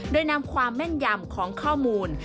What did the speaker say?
โดยนำความแม่นยำของข้อมูล